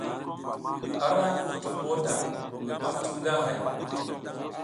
A ra kutuk mota ɓa cu nga hay.